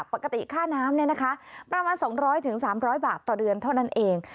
ปกติค่าน้ำประมาณ๒๐๐๓๐๐บาทต่อเดือนเท่านั้นเอง